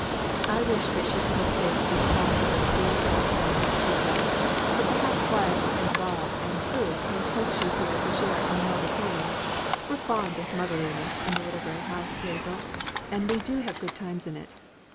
"I wish that she could have stayed to be proud of her three tall sons," she said. "But perhaps Wythie and Rob and Prue can coax you here to share in the mother feeling. We're fond of motherliness in the little grey house, Basil, and we do have good times in it.